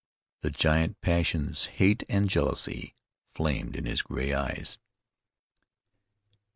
The giant passions, hate and jealousy, flamed in his gray eyes.